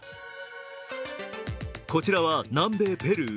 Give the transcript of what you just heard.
こちらは南米・ペルー。